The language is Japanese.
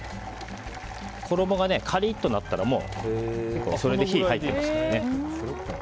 衣がカリッとなったらそれで火が入ってますのでね。